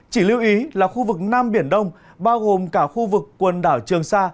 chỉ lưu ý là khu vực nam biển đông bao gồm cả khu vực quần đảo trường sa